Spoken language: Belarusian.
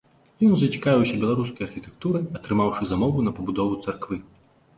Ён зацікавіўся беларускай архітэктурай, атрымаўшы замову на пабудову царквы.